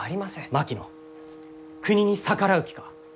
槙野国に逆らう気か？